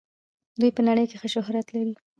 دوی په نړۍ کې ښه شهرت لري.